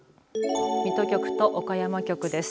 水戸局と岡山局です。